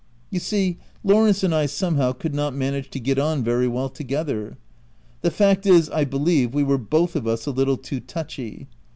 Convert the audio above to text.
You see Lawrence and I somehow could not manage to get on very well together. The fact is, I believe, we were both of us a little too touchy.